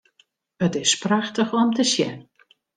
It is prachtich om te sjen.